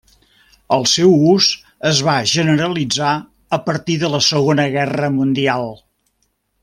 El seu ús es va generalitzar a partir de la Segona Guerra Mundial.